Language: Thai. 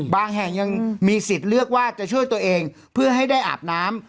แห่งยังมีสิทธิ์เลือกว่าจะช่วยตัวเองเพื่อให้ได้อาบน้ำ